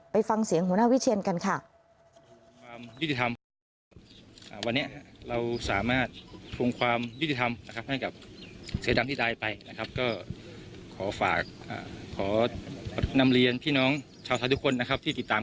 ไปฟังเสียงหัวหน้าวิเชียนกันค่ะ